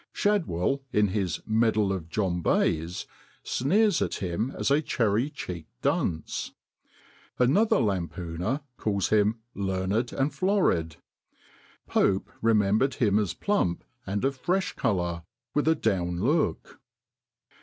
Shadwell, in his Medal of John Bayes, sneers at him as a cherry cheeked dunce; another lampooner calls him 'learned and florid.' Pope remembered him as plump and of fresh colour, with a down look.